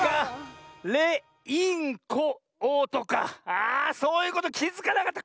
あそういうこときづかなかった。